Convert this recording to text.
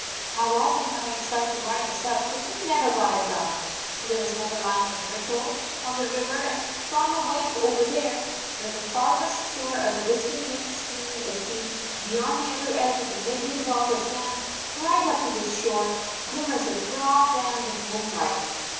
How often have I tried to write of such, but never got it done! There was not a line of ripple on the river; and from away over there, where the farthest shore of the distant main stream is seen beyond the other edge of the midway belt of sand, right up to this shore, glimmers a broad band of moonlight.